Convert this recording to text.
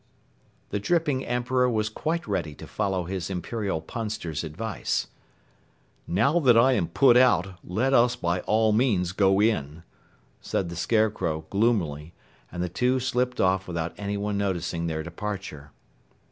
The dripping Emperor was quite ready to follow his Imperial Punster's advice. "Now that I am put out, let us by all means go in," said the Scarecrow gloomily, and the two slipped off without anyone noticing their departure.